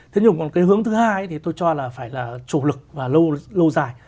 thế nhưng còn cái hướng thứ hai thì tôi cho là phải là chủ lực và lâu dài